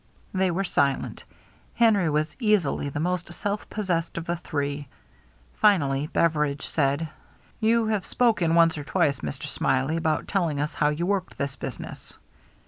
They were silent. Henry was easily the most self possessed of the three. Finally Bev eridge said :—" You have spoken once or twice, Mr. Smiley, about telling us how you worked this business."